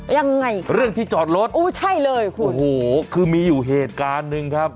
ยังไงเรื่องที่จอดรถโอ้ใช่เลยคุณโอ้โหคือมีอยู่เหตุการณ์หนึ่งครับ